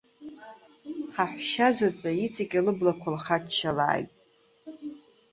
Ҳаҳәшьа заҵәы иҵегьы лыблақәа лхаччалааит!